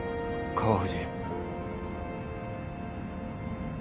川藤！